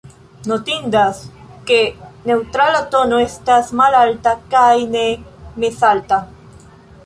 Notindas, ke neŭtrala tono estas malalta kaj ne mezalta.